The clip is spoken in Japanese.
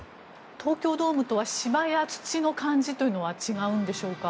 東京ドームとは芝や土の感じというのは違うんでしょうか？